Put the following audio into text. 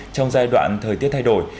trong giai đoạn thời tiết thay đổi